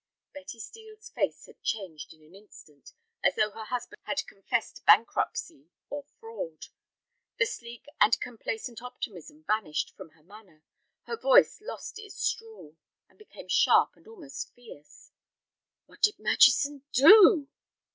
Betty Steel's face had changed in an instant, as though her husband had confessed bankruptcy or fraud. The sleek and complacent optimism vanished from her manner; her voice lost its drawl, and became sharp and almost fierce. "What did Murchison do?"